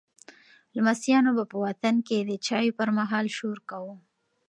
لمسیانو به په وطن کې د چایو پر مهال شور کاوه.